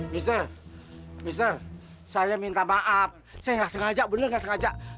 mister mister saya minta maaf saya enggak sengaja bener enggak sengaja